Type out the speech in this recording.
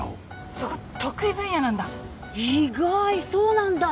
そこ得意分野なんだ意外そうなんだ！